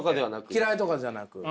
嫌いとかじゃなく。